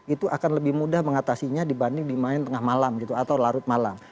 itu akan lebih mudah mengatasinya dibanding dimain tengah malam atau larut malam